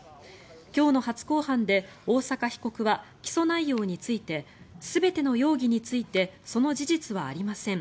今日の初公判で大坂被告は起訴内容について全ての容疑についてその事実はありません